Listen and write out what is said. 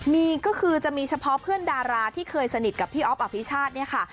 มีก็คือจะมีเฉพาะเพื่อนดาราที่เคยสนิทกับพี่อ๊อฟอภิชาติเนี่ยค่ะ